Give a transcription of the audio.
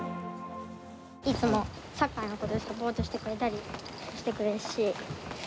いつもサッカーのことをサポートしてくれたりしてくれるし。